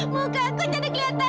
mukaku jadi kelihatan culun